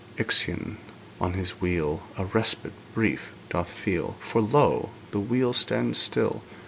Ixion, on his wheel, A respite brief doth feel; For, lo! the wheel stands still.